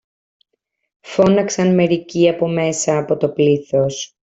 φώναξαν μερικοί από μέσα από το πλήθος.